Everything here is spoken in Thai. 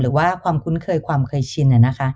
หรือว่าความคุ้นเคยความเคยชิน